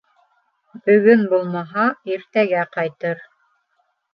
— Бөгөн булмаһа, иртәгә ҡайтыр.